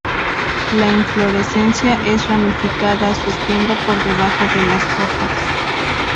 La inflorescencia es ramificada surgiendo por debajo de las hojas.